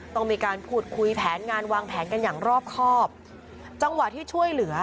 ต้องมีการพูดคุยแผนงานวางแผนกันอย่างรอบครอบจังหวะที่ช่วยเหลือ